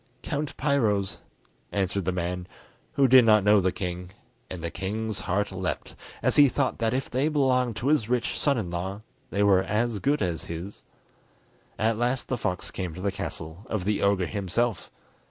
Count Piro's," answered the man, who did not know the king; and the king's heart leapt as he thought that if they belonged to his rich son in law they were as good as his. At last the fox came to the castle of the ogre himself.